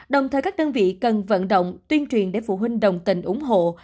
đồng thời các đơn vị cần vận động tuyên truyền để phụ huynh đồng tình ủng hộ